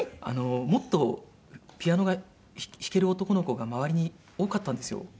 あのもっとピアノが弾ける男の子が周りに多かったんですよ。